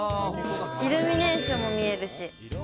イルミネーションも見えるし。